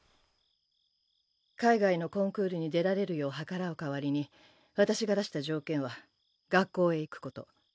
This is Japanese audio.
海外のコンクールに出られるよう計らう代わりに私が出した条件は学校へ行くこと。